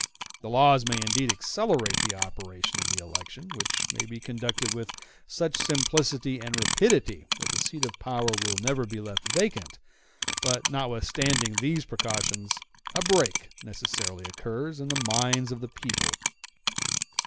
The laws may indeed accelerate the operation of the election, which may be conducted with such simplicity and rapidity that the seat of power will never be left vacant; but, notwithstanding these precautions, a break necessarily occurs in the minds of the people.